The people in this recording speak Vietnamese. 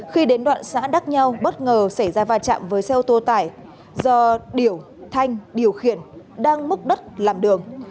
khi đến đoạn xã đắc nhau bất ngờ xảy ra va chạm với xe ô tô tải do điểu thanh điều khiển đang múc đất làm đường